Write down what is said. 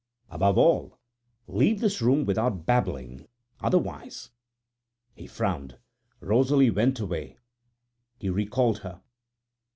Above all, leave this room without babbling, otherwise " He frowned. Rosalie went away, he recalled her.